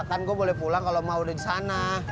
kan gue boleh pulang kalau emak udah di sana